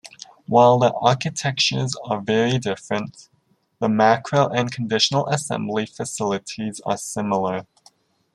While the architectures are very different, the macro and conditional assembly facilities are similar.